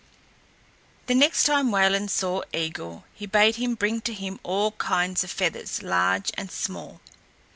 The next time Wayland saw Eigil he bade him bring to him all kinds of feathers, large and small.